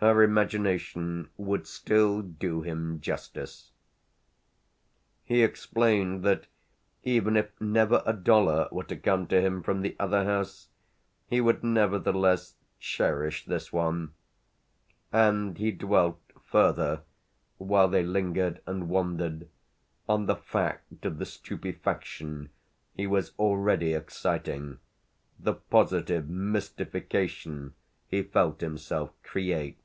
her imagination would still do him justice. He explained that even if never a dollar were to come to him from the other house he would nevertheless cherish this one; and he dwelt, further, while they lingered and wandered, on the fact of the stupefaction he was already exciting, the positive mystification he felt himself create.